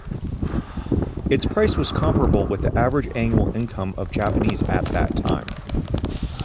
Its price was comparable with the average annual income of Japanese at that time.